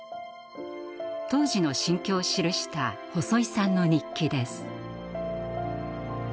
当時の心境を記した細井さんの日記です。